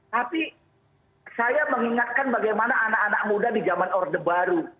tapi saya mengingatkan bagaimana anak anak muda di zaman orde baru